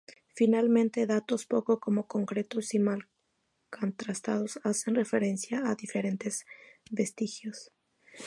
Finalmente, datos poco concretos y mal contrastados hacen referencia a diferentes vestigios.